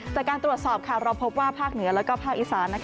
จากการตรวจสอบเราพบว่าภาคเหนือและภาคอีสาน